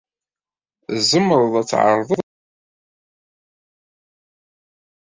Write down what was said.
Tzemred ad d-tɛerḍed win tebɣid.